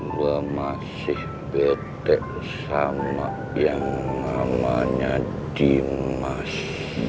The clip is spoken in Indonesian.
lo masih bete sama yang namanya dimas